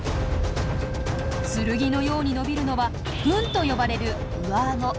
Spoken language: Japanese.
剣のように伸びるのは吻と呼ばれる上アゴ。